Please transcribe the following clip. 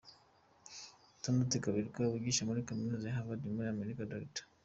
Donald Kaberuka wigisha muri Kaminuza ya Havard muri Amerika, Dr.